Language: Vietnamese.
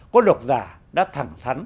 có độc giả đã thẳng thẳng